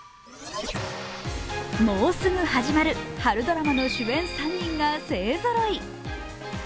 もうすぐ始まる春ドラマの主演３人が勢ぞろい。